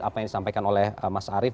apa yang disampaikan oleh mas arief